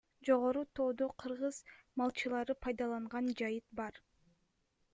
Жогору тоодо — кыргыз малчылары пайдаланган жайыт бар.